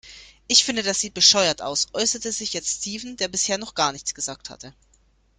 Ich finde, das sieht bescheuert aus, äußerte sich jetzt Steven, der bisher noch gar nichts gesagt hatte.